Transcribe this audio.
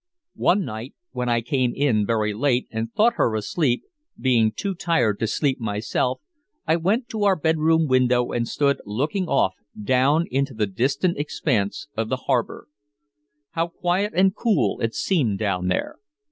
One night when I came in very late and thought her asleep, being too tired to sleep myself, I went to our bedroom window and stood looking off down, into the distant expanse of the harbor. How quiet and cool it seemed down there.